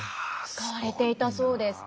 使われていたそうです。